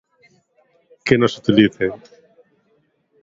Que nos utilicen.